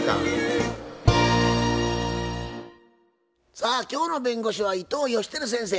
さあ今日の弁護士は伊藤芳晃先生。